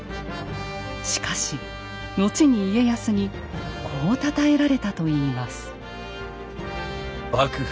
しかし後に家康にこうたたえられたといいます。